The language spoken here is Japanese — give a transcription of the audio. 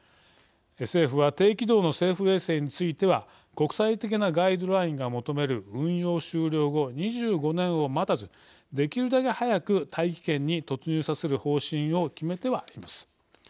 政府は低軌道の政府衛星については国際的なガイドラインが求める運用終了後２５年を待たずできるだけ早く大気圏に突入させる方針を決めてはいます。